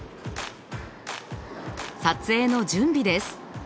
撮影の準備です。